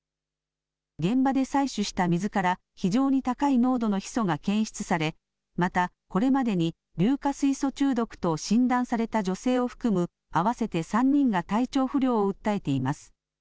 現場で採取した水から非常に高い濃度のヒ素が検出されまた、これまでに硫化水素中毒と診断された女性を含む合わせて３人が体調不良を訴えています。